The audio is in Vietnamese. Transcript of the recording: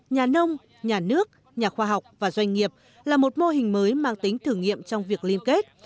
nhà nông nhà nước nhà khoa học và doanh nghiệp là một mô hình mới mang tính thử nghiệm trong việc liên kết